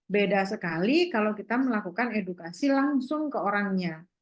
beda sekali kalau kita melakukan edukasi langsung ke orangnya